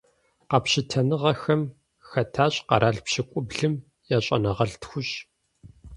Къэпщытэныгъэхэм хэтащ къэрал пщыкӏублым я щӀэныгъэлӀ тхущӏ.